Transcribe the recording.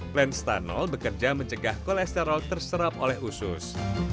plan stanol bekerja mencegah kolesterol terserap oleh usus